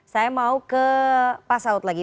saya mau ke pak saud lagi